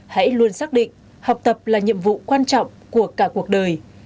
hãy luôn xác định học tập là nhiệm vụ quan trọng của cả cuộc đời